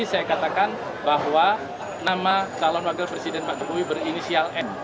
saya katakan bahwa nama calon wakil presiden pak jokowi berinisial n